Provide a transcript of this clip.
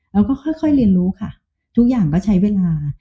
เราก็ค่อยเรียนรู้ค่ะทุกอย่างก็ใช้เวลา